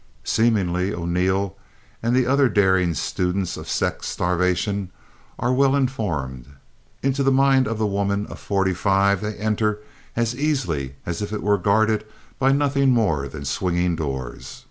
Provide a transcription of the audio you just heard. Seemingly, O'Neill and the other daring students of sex starvation are well informed. Into the mind of the woman of forty five they enter as easily as if it were guarded by nothing more than swinging doors.